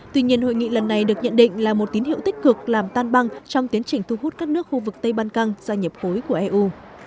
tuy nhiên hội nghị lần này được nhận định là một tín hiệu tích cực làm tan băng trong tiến trình thu hút các nước khu vực tây ban căng gia nhập khối của eu